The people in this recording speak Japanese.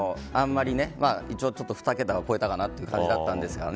一応２桁は超えたかなという感じだったんですけどね。